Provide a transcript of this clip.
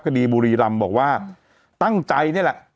บุรีรำบอกว่าตั้งใจนี่แหละ